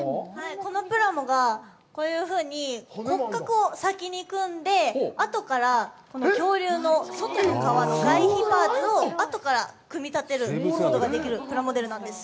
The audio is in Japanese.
このプラモは、こういうふうに骨格を先に組んで、後からこの恐竜の外の皮の外皮パーツを後から組み立てることができる、プラモデルなんです。